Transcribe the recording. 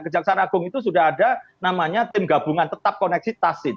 kejaksaan agung itu sudah ada namanya tim gabungan tetap koneksitas